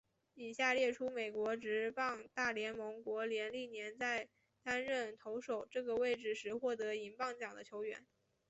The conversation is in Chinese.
以下列出美国职棒大联盟国联历年在担任投手这个位置时获得银棒奖的球员。